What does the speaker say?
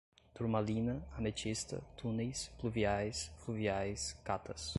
turmalina, ametista, túneis, pluviais, fluviais, catas